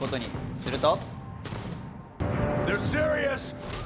すると。